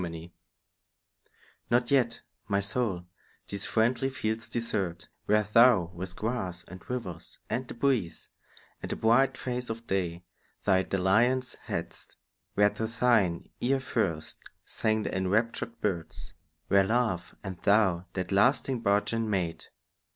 XXIV NOT yet, my soul, these friendly fields desert, Where thou with grass, and rivers, and the breeze, And the bright face of day, thy dalliance hadst; Where to thine ear first sang the enraptured birds; Where love and thou that lasting bargain made.